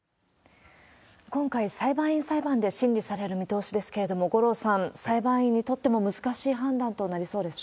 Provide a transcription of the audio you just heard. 今回、裁判員裁判で審理される見通しですけれども、五郎さん、裁判員にとっても難しい判断となりそうですね。